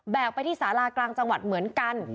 ไปที่สารากลางจังหวัดเหมือนกัน